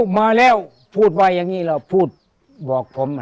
มาแล้วพูดว่ายังงี้แหละพูดบอกผมน่ะ